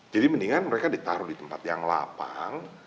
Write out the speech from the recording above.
jadi mendingan mereka ditaruh di tempat yang lapang